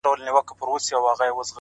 د زړه ساعت كي مي پوره يوه بجه ده گراني ؛